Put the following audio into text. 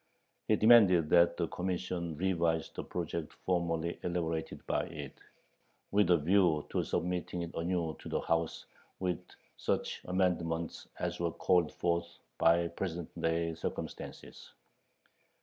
He demanded that the Commission revise the project formerly elaborated by it, with a view to submitting it anew to the House, with such amendments as were "called forth by present day circumstances."